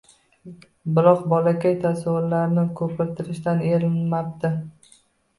Biroq bolakay tasavvurlarini ko’pirtirishdan erinmabdi.